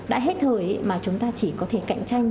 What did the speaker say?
đã hết thời mà chúng ta chỉ có thể cạnh tranh